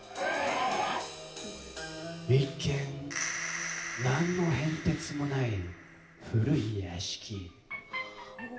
一見、なんの変哲もない古い屋敷。